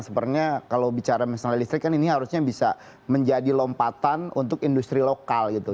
sebenarnya kalau bicara masalah listrik kan ini harusnya bisa menjadi lompatan untuk industri lokal gitu